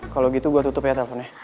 kalau gitu gue tutup ya teleponnya